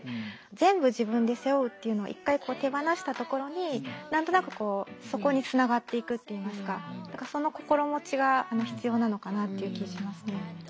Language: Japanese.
全部自分で背負うっていうのを一回手放したところに何となくこうそこにつながっていくっていいますかその心持ちが必要なのかなっていう気しますね。